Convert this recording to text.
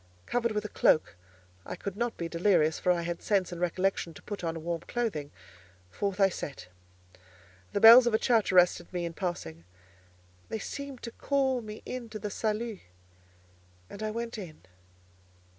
Covered with a cloak (I could not be delirious, for I had sense and recollection to put on warm clothing), forth I set. The bells of a church arrested me in passing; they seemed to call me in to the salut, and I went in.